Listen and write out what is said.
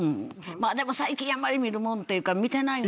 でも最近あんまり見るもんっていうか見てない。